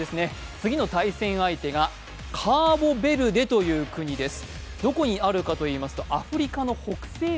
次の対戦相手がカーボベルデという国です。